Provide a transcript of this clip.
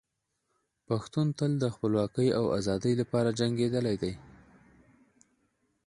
پښتون تل د خپلواکۍ او ازادۍ لپاره جنګېدلی دی.